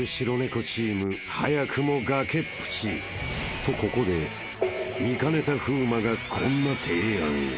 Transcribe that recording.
［とここで見かねた風磨がこんな］